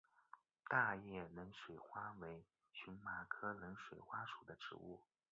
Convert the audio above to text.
大叶冷水花为荨麻科冷水花属的植物。